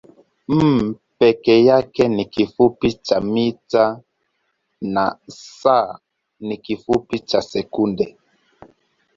m peke yake ni kifupi cha mita na s ni kifupi cha sekunde.